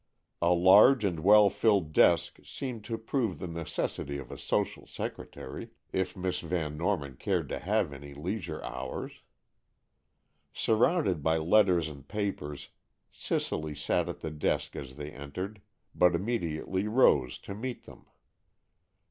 A large and well filled desk seemed to prove the necessity of a social secretary, if Miss Van Norman cared to have any leisure hours. Surrounded by letters and papers, Cicely sat at the desk as they entered, but immediately rose to meet them.